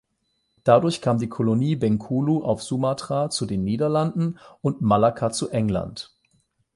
Dadurch kam die Kolonie Bengkulu auf Sumatra zu den Niederlanden und Malakka zu England.